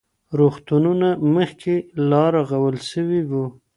روغتونونه مخکې لا رغول سوي وو.